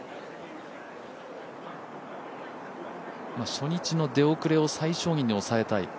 初日の出遅れを最小限に抑えたい。